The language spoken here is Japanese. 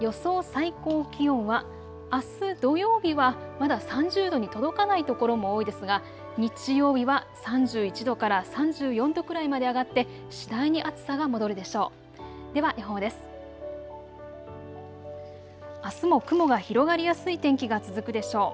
最高気温はあす土曜日はまだ３０度に届かない所も多いですが日曜日は３１度から３４度くらいまで上がって次第に暑さが戻るでしょう。